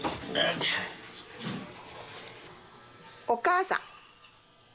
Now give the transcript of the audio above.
お母さん。